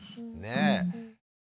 ねえ！